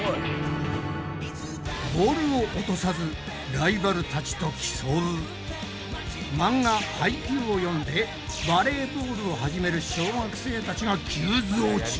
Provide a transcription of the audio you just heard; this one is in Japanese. ボールを落とさずライバルたちと競う漫画「ハイキュー！！」を読んでバレーボールを始める小学生たちが急増中！